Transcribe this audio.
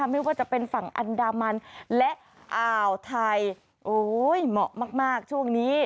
ไม่ว่าจะเป็นฝั่งอันดามันและอ่าวไทยโอ้ยเหมาะมากช่วงนี้